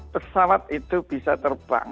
pesawat itu bisa terbang